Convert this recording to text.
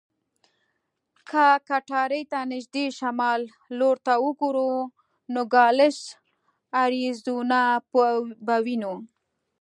که کټارې ته نږدې شمال لور ته وګورو، نوګالس اریزونا به وینو.